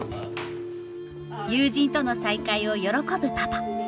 友人との再会を喜ぶパパ。